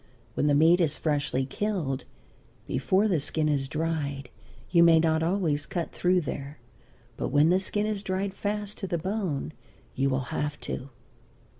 When the meat is freshly killed before the skin is dried, you may not always cut through there, but where the skin is dried fast to the bone you will have to.